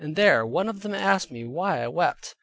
There one of them asked me why I wept.